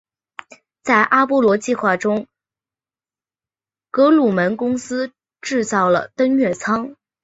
在阿波罗计划中格鲁门公司制造了登月舱。